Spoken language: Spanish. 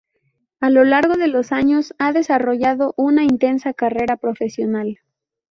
A lo largo de los años ha desarrollado una intensa carrera profesional.